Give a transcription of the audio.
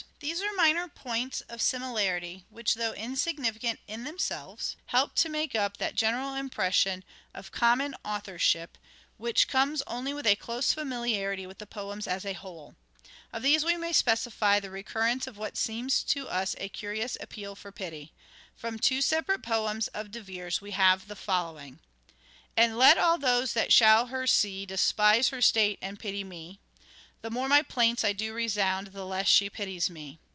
There are minor points of similarity, which though insignificant in themselves, help to make up that 198 " SHAKESPEARE " IDENTIFIED Desire for general impression of common authorship which comes only with a close familiarity with the poems as a whole. Of these we may specify the recurrence of what seems to us a curious appeal for pity. From two separate poems of De Vere's we have the following :—" And let all those that shall her see Despise her state and pity me." " The more my plaints I do resound The less she pities me."